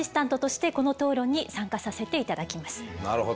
なるほど。